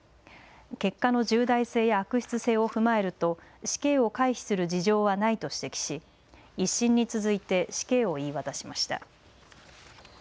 結果の重大性や悪質性を踏まえると死刑を回避する事情はないと指摘し１審に続いて死刑を言い渡しました。